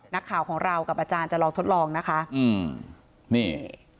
นักข่าวของเรากับอาจารย์จะลองทดลองนะคะอืมนี่